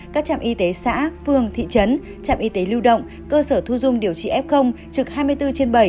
các trạm y tế xã phương thị trấn trạm y tế lưu động cơ sở thu dung điều trị f trực hai mươi bốn trên bảy